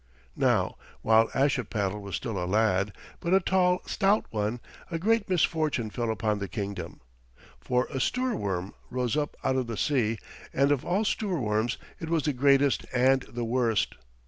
Now while Ashipattle was still a lad, but a tall, stout one, a great misfortune fell upon the kingdom, for a Stoorworm rose up out of the sea; and of all Stoorworms it was the greatest and the worst.